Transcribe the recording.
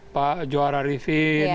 pak juara rifin